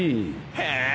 へえ。